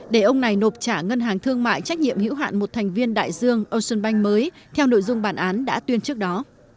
để ông này nộp trả ngân hàng thương mại trách nhiệm hữu hạn một thành viên đại dương ocean bank mới theo nội dung bản án đã tuyên trước đó